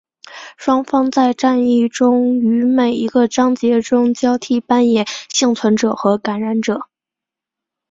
双方在战役中于每一个章节中交替扮演幸存者和感染者。